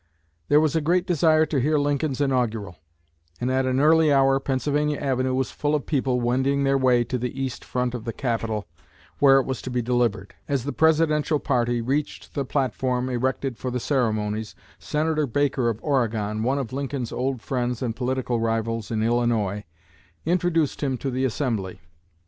There was a great desire to hear Lincoln's inaugural; and at an early hour Pennsylvania Avenue was full of people wending their way to the east front of the Capitol where it was to be delivered. As the Presidential party reached the platform erected for the ceremonies, Senator Baker of Oregon, one of Lincoln's old friends and political rivals in Illinois, introduced him to the assembly.